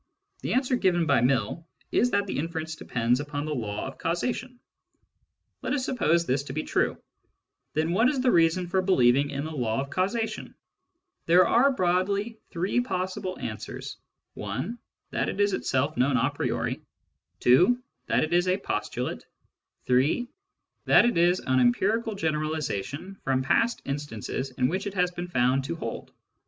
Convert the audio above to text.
The answer given by Mill is that the inference depends \ upon the law of causation. Let us suppose this to be \ true ; then what is the reason for believing in the law of Digitized by Googk LOGIC AS THE ESSENCE OF PHILOSOPHY 35 causation ? There are broadly three possible answers : (i) that it is itself known a priori ; (2) that it is a postulate ; (3) that it is an empirical generalisation from past instances in which it has been found to hold.